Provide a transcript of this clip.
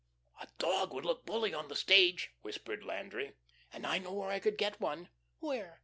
"A dog would look bully on the stage," whispered Landry. "And I know where I could get one." "Where?"